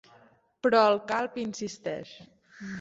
Però el calb insisteix.